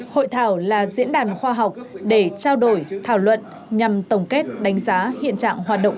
hội thảo là diễn đàn khoa học để trao đổi thảo luận nhằm tổng kết đánh giá hiện trạng hoạt động